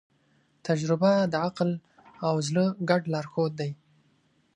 تجربه د عقل او زړه ګډ لارښود دی.